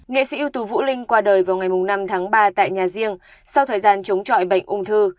nghệ sĩ ưu tú vũ linh qua đời vào ngày năm tháng ba tại nhà riêng sau thời gian chống chọi bệnh ung thư